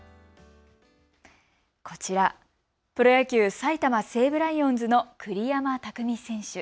こちら、プロ野球・埼玉西武ライオンズの栗山巧選手。